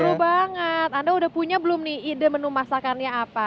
seru banget anda udah punya belum nih ide menu masakannya apa